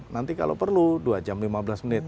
nanti kalau perlu dua jam lima belas menit